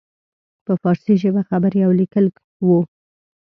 په فارسي ژبه خبرې او لیکل وو.